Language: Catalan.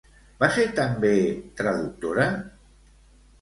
Va ser també traductora?